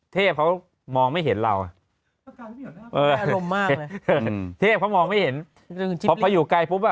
เทพเขามองไม่เห็นเราเทพเขามองไม่เห็นเพราะพออยู่ไกลปุ๊บอ่ะ